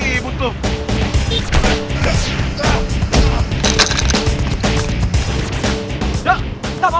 kejar duh kejar